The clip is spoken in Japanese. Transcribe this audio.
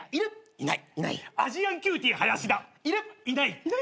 いない。